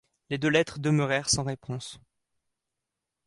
Les deux lettres demeurèrent sans réponse.